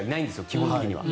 基本的には。